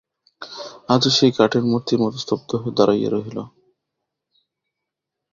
আজও সে কাঠের মূর্তির মতো স্তব্ধ হইয়া দাঁড়াইয়া রহিল।